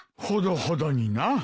ほどほどにな。